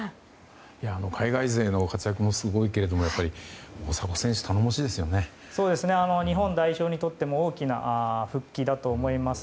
海外勢の活躍もすごいですけど日本代表にとっても大きな復帰だと思います。